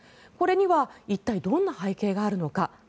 これには一体どんな背景があるのか。